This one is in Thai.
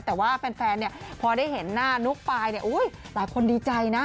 แต่ว่าแฟนเนี่ยพอได้เห็นหน้านุ๊กปายเนี่ยหลายคนดีใจนะ